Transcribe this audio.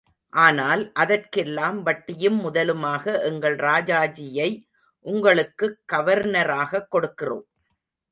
ஆனால் அதெற்கெல்லாம் வட்டியும் முதலுமாக எங்கள் ராஜாஜியை உங்களுக்குக் கவர்னராகக் கொடுக்கிறோம்.